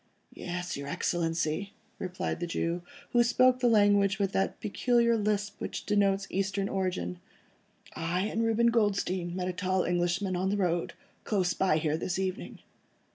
"Yes, your Excellency," replied the Jew, who spoke the language with that peculiar lisp which denotes Eastern origin, "I and Reuben Goldstein met a tall Englishman, on the road, close by here this evening."